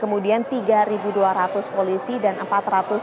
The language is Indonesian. kemudian tiga personil gabungan yang terdiri dari empat belas tni